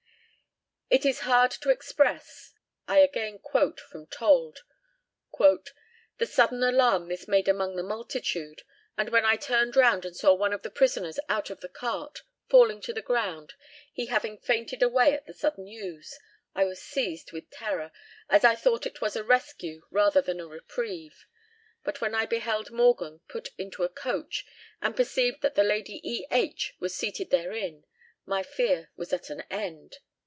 "It is hard to express" I again quote from Told "the sudden alarm this made among the multitude; and when I turned round and saw one of the prisoners out of the cart, falling to the ground, he having fainted away at the sudden news, I was seized with terror, as I thought it was a rescue rather than a reprieve; but when I beheld Morgan put into a coach, and perceived that Lady E. H. was seated therein, my fear was at an end.